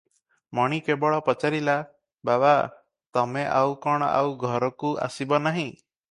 ମଣି କେବଳ ପଚାରିଲା "ବାବା! ତମେ ଆଉ କଣ ଆଉ ଘରକୁ ଆସିବ ନାହିଁ?